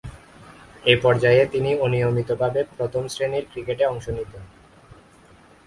এ পর্যায়ে তিনি অনিয়মিতভাবে প্রথম-শ্রেণীর ক্রিকেটে অংশ নিতেন।